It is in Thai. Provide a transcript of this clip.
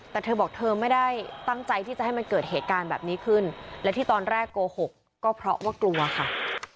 แต่เธอบอกเธอไม่ได้ตั้งใจที่จะให้มันเกิดเหตุการณ์แบบนี้ขึ้นและที่ตอนแรกโกหกก็เพราะว่ากลัวค่ะ